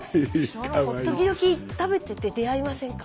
時々食べてて出会いませんか？